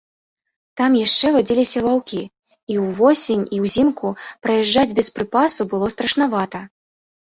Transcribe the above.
Там яшчэ вадзіліся ваўкі, і ўвосень і ўзімку праязджаць без прыпасу было страшнавата.